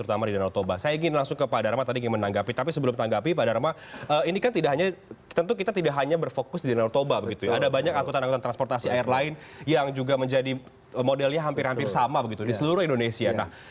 ada banyak anggota anggota transportasi air lain yang juga menjadi modelnya hampir hampir sama begitu di seluruh indonesia